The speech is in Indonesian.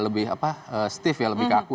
lebih apa stiff ya lebih kaku